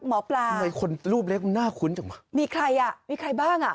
หมอปลารูปเล็กหน้าคุ้นจังมามีใครอ่ะมีใครบ้างอ่ะคนนี่